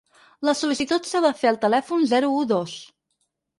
La sol·licitud s’ha de fer al telèfon zero u dos.